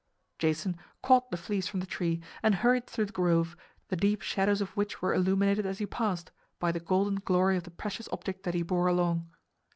Jason caught the fleece from the tree and hurried through the grove, the deep shadows of which were illuminated as he passed, by the golden glory of the precious object that he bore along.